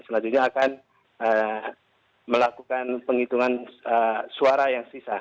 selanjutnya akan melakukan penghitungan suara yang sisa